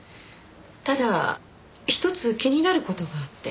ただひとつ気になる事があって。